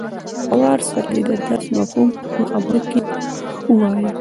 په وار سره دې د درس مفهوم په خپلو خبرو کې ووايي.